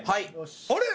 あれ？